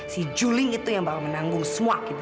si juli itu yang bakal menanggung semua kita ya